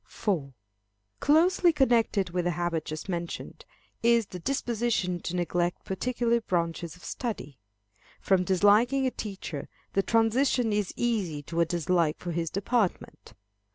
4. Closely connected with the habit just mentioned is the disposition to neglect particular branches of study. From disliking a teacher, the transition is easy to a dislike for his department.